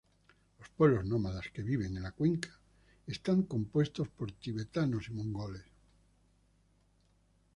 Los pueblos nómadas que viven en la cuenca están compuestos por tibetanos y mongoles.